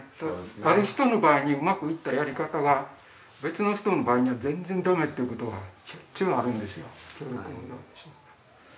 ある人の場合にうまくいったやり方が別の人の場合には全然ダメということがしょっちゅうあるんですよ。